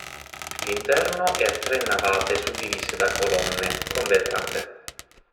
L'interno è a tre navate suddivise da colonne, con vetrate.